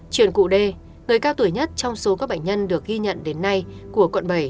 truyền cụ đê người cao tuổi nhất trong số các bệnh nhân được ghi nhận đến nay của quận bảy